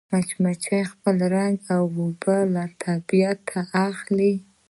مچمچۍ خپل رنګ او بوی له طبیعته اخلي